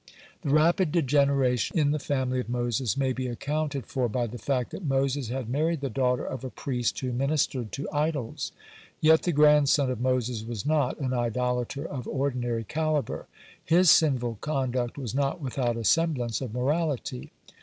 (131) The rapid degeneration in the family of Moses may be accounted for by the fact that Moses had married the daughter of a priest who ministered to idols. Yet, the grandson of Moses was not an idolater of ordinary calibre. His sinful conduct was not without a semblance of morality.